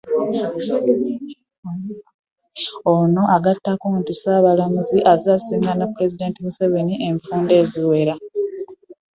Ono agattako nti Ssaabalamuzi azze asisinkana Pulezidenti Museveni enfunda eziwera